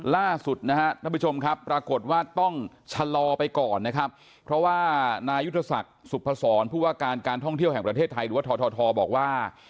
ล่าสุดนะครับต้องชะลอไปก่อนนะครับเพราะว่านายุทธศักดิ์สุพศรของประเทศไทยหรือว่าทอททบอกว่า